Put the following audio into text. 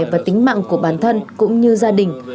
và tính mạng của bản thân cũng như gia đình